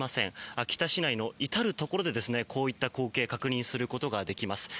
秋田市内の至るところでこういった光景を確認することができます。